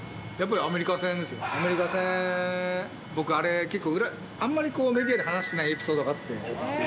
アメリカ戦、僕、あれ結構、裏、あんまりメディアで話してないエピソードがあって。